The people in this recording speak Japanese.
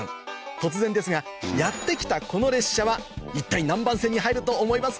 突然ですがやって来たこの列車は一体何番線に入ると思いますか？